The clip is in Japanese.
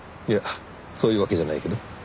いやそういうわけじゃないけど。